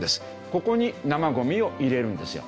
ここに生ゴミを入れるんですよ。